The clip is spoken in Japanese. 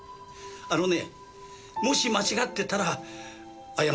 あのねもし間違ってたら謝りますよ。